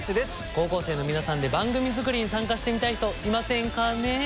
高校生の皆さんで番組作りに参加してみたい人いませんかねえ？